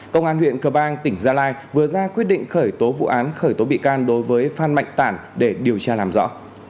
công an huyện cờ bang tỉnh gia lai vừa ra quyết định khởi tố vụ án khởi tố bị can đối với phan mạnh tản để điều tra làm rõ